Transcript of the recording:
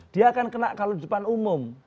dia akan kena kalau di depan umum